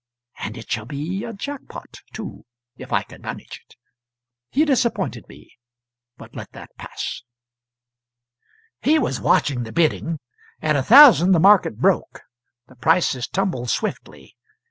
And it shall be a jack pot, too, if I can manage it. He disappointed me, but let that pass." He was watching the bidding. At a thousand, the market broke: the prices tumbled swiftly.